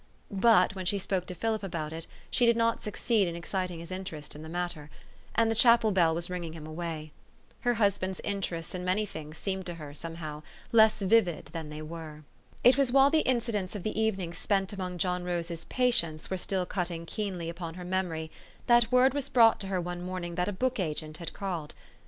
But, when she spoke to Philip about it, she did not succeed in exciting his interest in the matter ; and the chapel bell was ringing him away. Pier hus band's interests in many things seemed to her, some how, less vivid than they were. It was while the incidents of the evening spent among John Rose's " patients " were still cut keenly upon her memory, that word was brought to her one morning that a book agent had called.